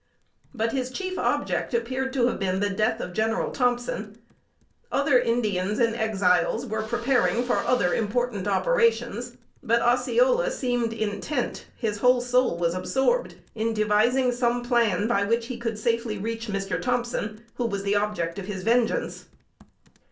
But his chief object appeared to have been the death of General Thompson. Other Indians and Exiles were preparing for other important operations; but Osceola seemed intent, his whole soul was absorbed, in devising some plan by which he could safely reach Mr. Thompson, who was the object of his vengeance.